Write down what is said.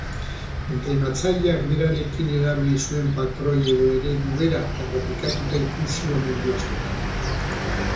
Entrenatzaileak berarekin erabili zuen patroi edo eredu bera errepikatuta ikusi omen du askotan.